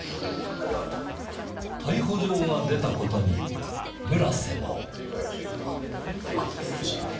逮捕状が出た事に村瀬も。